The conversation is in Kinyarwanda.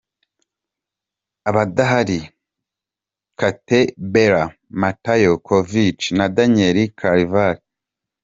Abadahari:Gareth Bale, Matteo Kovačić na Daniel Carvajal.